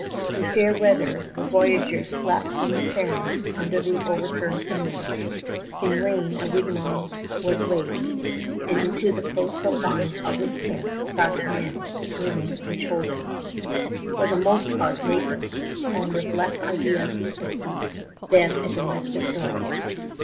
In fair weather the voyageurs slept on the sand under the overturned canoes; in rain a wigwam was raised, and into the close confines of this tent crowded men, women, and children, for the most part naked, and with less idea of decency than a domestic dog.